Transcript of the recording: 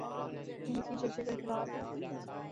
ان کی ججی برقرار ہے۔